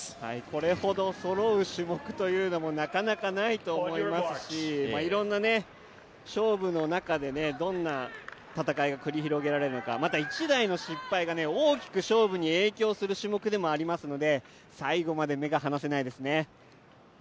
これほどそろう種目もなかなかないと思いますし、いろいろな勝負の中で、どんな戦いが繰り広げられるのか、また１台の失敗が大きく勝負に影響する種目でもありますので最後まで目が離せないですね。